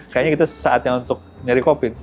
kayaknya itu saatnya untuk nyari kopi